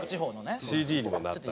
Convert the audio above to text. ＣＤにもなった。